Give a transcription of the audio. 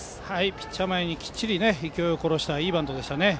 ピッチャー前にきっちり勢いを殺したいいバントでした。